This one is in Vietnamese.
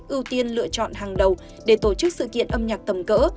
ưu tiên lựa chọn hàng đầu để tổ chức sự kiện âm nhạc tầm cỡ